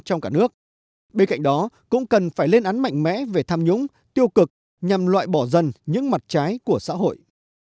trong cả nước bên cạnh đó cũng cần phải lên án mạnh mẽ về tham nhũng tiêu cực nhằm loại bỏ dần những mặt trái của xã hội